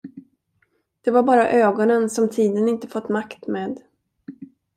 Det var bara ögonen, som tiden inte fått makt med.